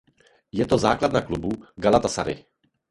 Je to základna klubu Galatasaray.